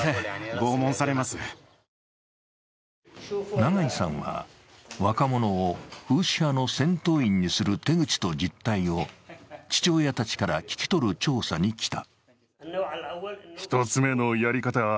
永井さんは、若者をフーシ派の戦闘員にする手口と実態を父親たちから聞き取る調査に来た。